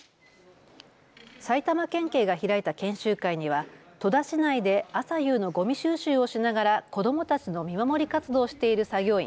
埼玉県警が開いた研修会には戸田市内で朝夕のごみ収集をしながら子どもたちの見守り活動している作業員